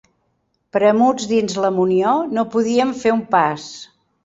Premuts dins la munió, no podíem fer un pas.